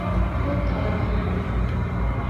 ลูกทรพี